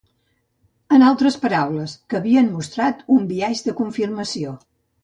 En altres paraules, que havien mostrat un biaix de confirmació.